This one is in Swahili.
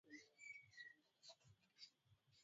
kwa sababu Wahehe walishirikiana na Waingereza wakati wa vita